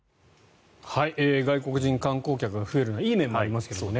外国人観光客が増えるのはいい面もありますけどね。